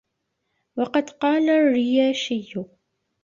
وَقَدْ قَالَ الرِّيَاشِيُّ